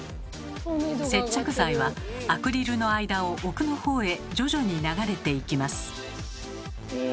接着剤はアクリルの間を奥の方へ徐々に流れていきます。